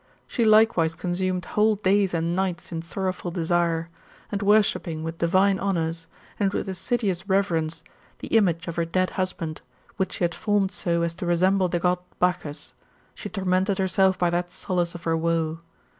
She likewise consumed whole days and nights in sorrowful desire ; and worshipping with divine honours, and with assiduous reverence, the image of her dead husband, which she had formed so as to resemble the God Bacchus, she tormented herself by that solace of her woe.